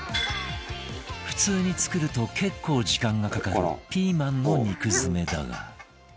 普通に作ると結構時間がかかるピーマンの肉詰めだが